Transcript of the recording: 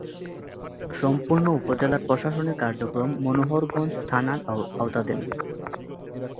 সম্পূর্ণ উপজেলার প্রশাসনিক কার্যক্রম মনোহরগঞ্জ থানার আওতাধীন।